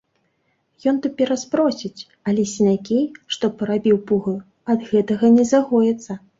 Ён то перапросіць, але сінякі, што парабіў пугаю, ад гэтага не загояцца.